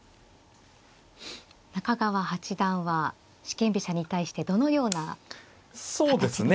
中川八段は四間飛車に対してどのような形にするか。